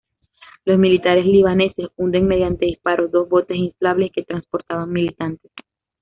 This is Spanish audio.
Los militares libaneses hunden mediante disparos dos botes inflables que transportaban militantes.